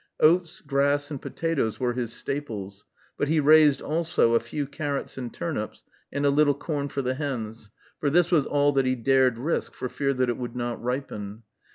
Oats, grass, and potatoes were his staples; but he raised, also, a few carrots and turnips, and "a little corn for the hens," for this was all that he dared risk, for fear that it would not ripen.